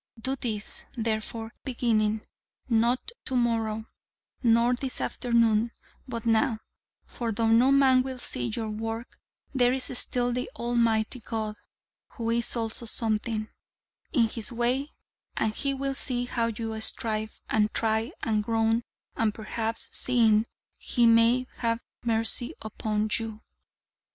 Do this, therefore, beginning, not to morrow nor this afternoon, but now: for though no man will see your work, there is still the Almighty God, who is also something, in His way: and He will see how you strive, and try, and groan: and perhaps, seeing, He may have mercy upon you.'